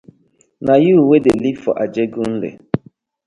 Na yu dey wey dey live for ajegunle.